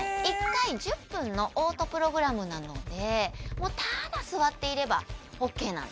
１回１０分のオートプログラムなのでもうただ座っていればオーケーなんです